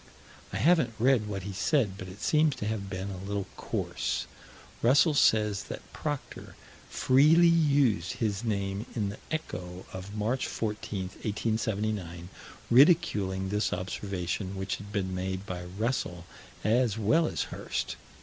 I haven't read what he said, but it seems to have been a little coarse. Russell says that Proctor "freely used" his name in the Echo, of March 14, 1879, ridiculing this observation which had been made by Russell as well as Hirst.